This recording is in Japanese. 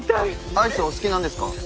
アイスお好きなんですか？